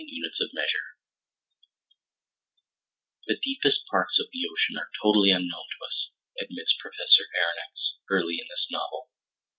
Conclusion Introduction "The deepest parts of the ocean are totally unknown to us," admits Professor Aronnax early in this novel.